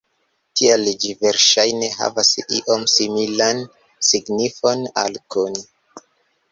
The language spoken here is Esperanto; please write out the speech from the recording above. Tial ĝi verŝajne havas iom similan signifon al kun.